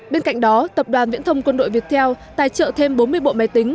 bên cạnh đó tập đoàn viễn thông quân đội việt theo tài trợ thêm bốn mươi bộ máy tính